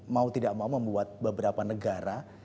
mau tidak mau membuat beberapa negara